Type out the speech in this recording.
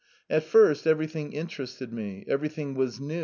At first everything amused me, everything was new.